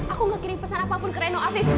aku gak kirim pesan apapun ke reno afif